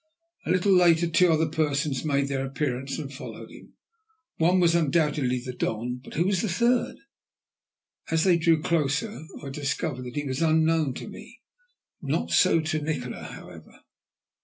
A little later two other persons made their appearance and followed him. One was undoubtedly the Don, but who was the third? As they drew closer, I discovered that he was unknown to me; not so to Nikola, however.